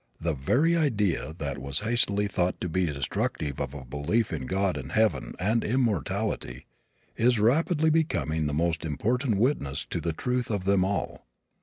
The very idea that was hastily thought to be destructive of a belief in God and heaven and immortality is rapidly becoming the most important witness to the truth of them all.